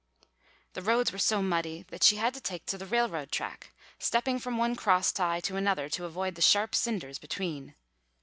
The roads were so muddy that she had to take to the railroad track, stepping from one cross tie to another to avoid the sharp cinders between.